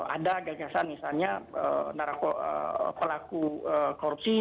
ada gagasan misalnya pelaku korupsi